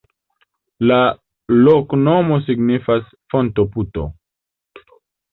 La loknomo signifas: fonto-puto.